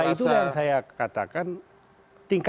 nah itu yang saya katakan